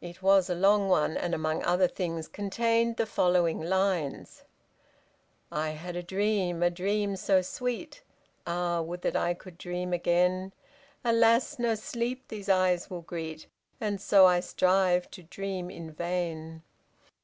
It was a long one, and among other things contained the following lines: I had a dream, a dream so sweet, Ah! would that I could dream again; Alas, no sleep these eyes will greet, And so I strive to dream in vain!